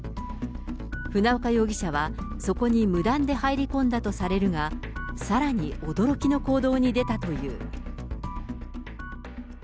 船岡容疑者は、そこに無断で入り込んだとされるが、さらに驚きの行動に出たという。